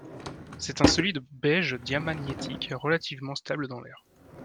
C'est un solide beige diamagnétique, relativement stable dans l'air.